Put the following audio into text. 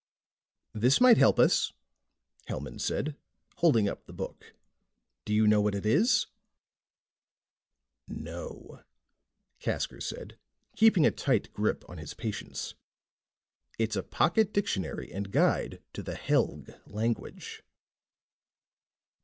"This might help us," Hellman said, holding up the book. "Do you know what it is?" "No," Casker said, keeping a tight grip on his patience. "It's a pocket dictionary and guide to the Helg language."